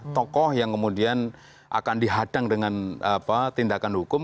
tokoh yang kemudian akan dihadang dengan tindakan hukum